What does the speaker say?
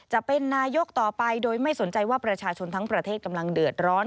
จะเป็นนายกต่อไปโดยไม่สนใจว่าประชาชนทั้งประเทศกำลังเดือดร้อน